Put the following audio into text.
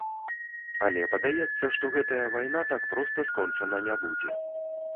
Але, падаецца, што гэтая вайна так проста скончана не будзе.